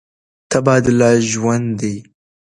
تبادله ژوند دی.